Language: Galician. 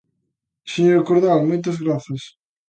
Señora Cordal, moitas grazas.